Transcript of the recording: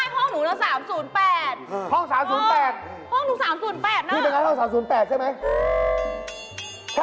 ก็ผิดกันเยอะ